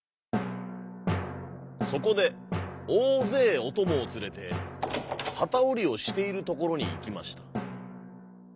そこでおおぜいおともをつれてはたおりをしているところにいきました。